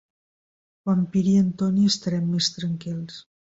Quan piri en Toni estarem més tranquils.